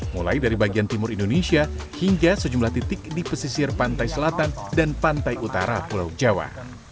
mulai dari bagian timur indonesia hingga sejumlah titik di pesisir pantai selatan dan pantai utara pulau jawa